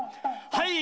はい！